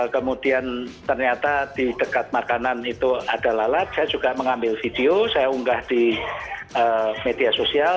kemudian ternyata di dekat makanan itu ada lalat saya juga mengambil video saya unggah di media sosial